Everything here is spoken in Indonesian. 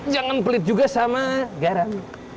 jangan pelit juga sama garam